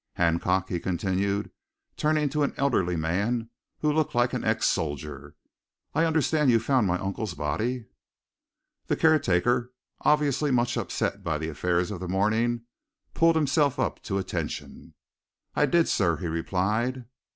Hancock," he continued, turning to an elderly man who looked like an ex soldier, "I understand you found my uncle's body?" The caretaker, obviously much upset by the affairs of the morning, pulled himself up to attention. "I did, sir," he replied.